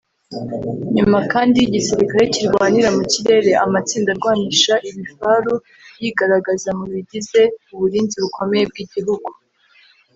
nyuma kandi y’igisirikare kirwanira mu kirere; amatsinda arwanisha ibifaru yigaragaza mu bigize uburinzi bukomeye bw’ibihugu